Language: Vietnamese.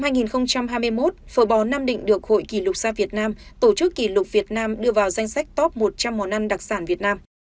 năm hai nghìn hai mươi một phở bò nam định được hội kỷ lục xa việt nam tổ chức kỷ lục việt nam đưa vào danh sách top một trăm linh món ăn đặc sản việt nam